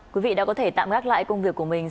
quý vị đã có thể tạm gác lại công việc của mình